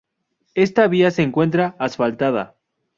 Esta vía se encuentra asfaltada.